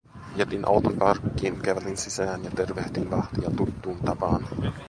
Jätin auton parkkiin, kävelin sisään ja tervehdin vahtia tuttuun tapaan.